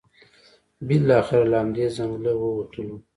بالاخره له همدې ځنګل ووتلو.